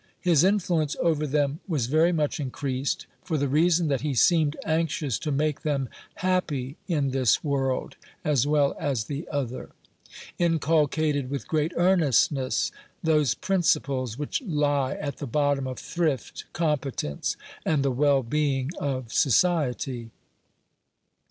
His influence over them was very much increased, for the reason that he seemed anxious to make them happy in this world, as well as the other; inculcated with great earnestness those principles which lie at the bottom of thrift, competence, and the well being of society.